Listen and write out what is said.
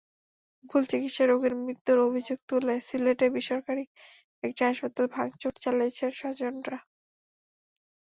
ভুল চিকিৎসায় রোগীর মৃত্যুর অভিযোগ তুলে সিলেটে বেসরকারি একটি হাসপাতালে ভাঙচুর চালিয়েছেন স্বজনেরা।